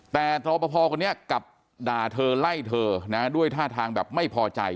แต่รอปภคนนี้กลับด่าเธอไล่เธอนะด้วยท่าทางแบบไม่พอใจ